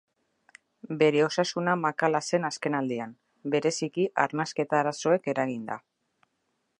Bere osasuna makala zen azkenaldian, bereziki arnasketa arazoek eraginda.